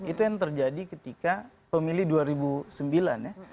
itu yang terjadi ketika pemilih dua ribu sembilan ya